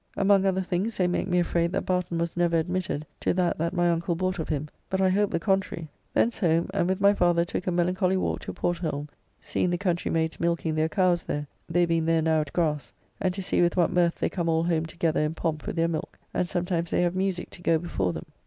Among other things they make me afraid that Barton was never admitted to that that my uncle bought of him, but I hope the contrary. Thence home, and with my father took a melancholy walk to Portholme, seeing the country maids milking their cows there, they being there now at grass, and to see with what mirth they come all home together in pomp with their milk, and sometimes they have musique go before them.